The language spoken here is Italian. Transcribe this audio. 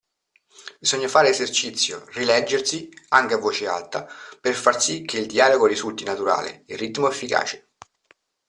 Bisogna fare esercizio, rileggersi, anche a voce alta, per far sì che il dialogo risulti naturale, il ritmo efficace.